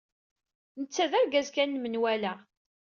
Netta d argaz kan n menwala.